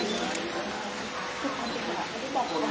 สวัสดีครับสวัสดีครับ